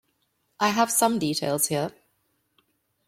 I have some details here.